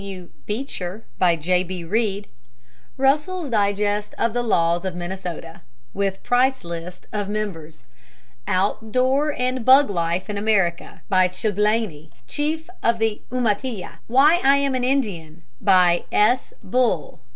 W. Beecher. By J. B. Reed. Russell's Digest of the Laws of Minnesota, with Price List of Members. Out Door and Bug Life in America. By Chilblainy, Chief of the Umatilla. Why I am an Indian. By S. Bull.